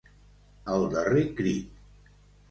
El darrer crit.